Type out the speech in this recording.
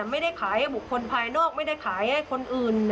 ไม่ได้ขายให้บุคคลภายนอกไม่ได้ขายให้คนอื่น